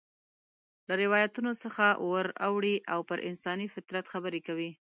له روایتونو څخه ور اوړي او پر انساني فطرت خبرې کوي.